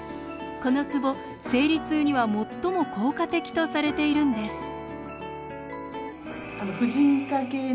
このツボ生理痛には最も効果的とされているんです。